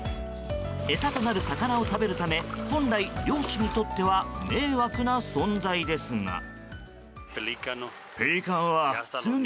餌となる魚を食べるため本来漁師にとっては迷惑な存在ですが。